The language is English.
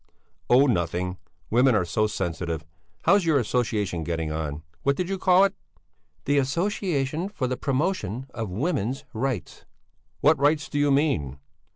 "Oh, nothing; women are so sensitive! How's your association getting on? What did you call it?" "The Association for the Promotion of Women's Rights." "What rights do you mean?"